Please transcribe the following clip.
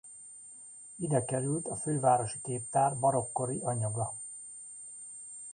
Ide került a Fővárosi Képtár barokk kori anyaga.